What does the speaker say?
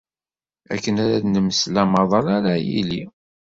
Akken ara d-nemsel amaḍal ara yili.